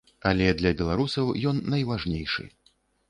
Але для беларусаў ён найважнейшы.